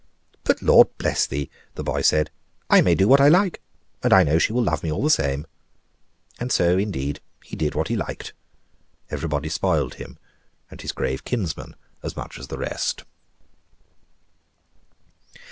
"But Lord bless thee!" the boy said; "I may do what I like, and I know she will love me all the same;" and so, indeed, he did what he liked. Everybody spoiled him, and his grave kinsman as much as the rest.